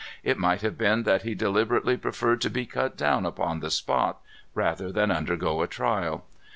It might have been that he deliberately preferred to be cut down upon the spot rather than undergo a trial.